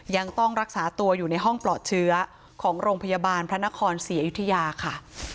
อยู่ที่ยาค่ะ